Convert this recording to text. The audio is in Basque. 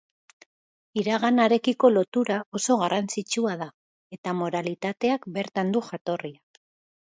Iraganarekiko lotura oso garrantzitsua da eta moralitateak bertan du jatorria.